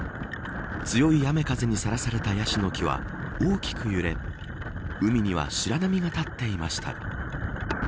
強い雨風にさらされたヤシの木は、大きく揺れ海には白波が立っていました。